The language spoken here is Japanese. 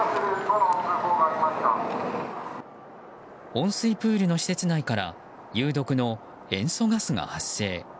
温水プールの施設内から有毒の塩素ガスが発生。